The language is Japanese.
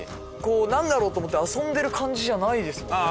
なんだろう？と思って遊んでる感じじゃないでもんね。